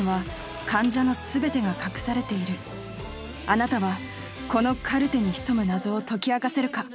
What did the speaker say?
あなたはこのカルテに潜む謎を解き明かせるか？